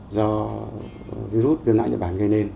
do virus viêm não nhật bản gây nên